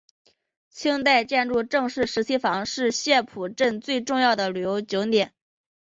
清代建筑郑氏十七房是澥浦镇最重要的旅游景点。